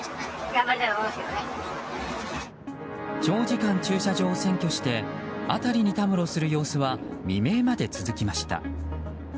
長時間駐車場を占拠して辺りにたむろする様子は未明まで続きました。